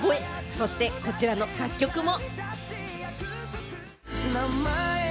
そして、こちらの楽曲も。